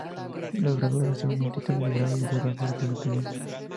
Los graduados reciben un Título de Grado y un rango de primer teniente.